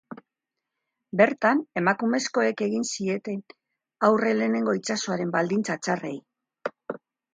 Bertan, emakumezkoek egin zieten aurre lehenengo itsasoaren baldintza txarrei.